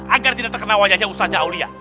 agar tidak terkena wajahnya ustaza aulia